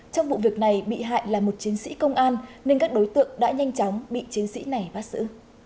trong vụ việc này bị hại là một chiến sĩ công an nên các đối tượng đã nhanh chóng bị chiến sĩ này bắt xử